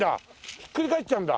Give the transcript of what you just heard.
ひっくり返っちゃうんだ。